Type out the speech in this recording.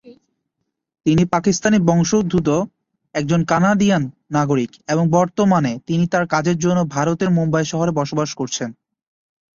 তিনি পাকিস্তানি বংশোদ্ভূত একজন কানাডিয়ান নাগরিক এবং বর্তমানে তিনি তার কাজের জন্য ভারতের মুম্বাই শহরে বসবাস করছেন।